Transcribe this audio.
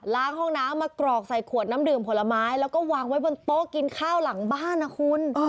ล้างห้องน้ำมากรอกใส่ขวดน้ำดื่มผลไม้แล้วก็วางไว้บนโต๊ะกินข้าวหลังบ้านนะคุณ